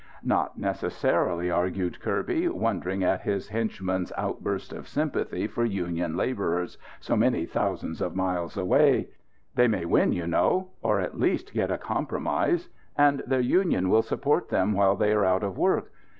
"Not necessarily," argued Kirby, wondering at his henchman's outburst of sympathy for union labourers so many thousand miles away. "They may win, you know; or, at least, get a compromise. And their unions will support them while they are out of work.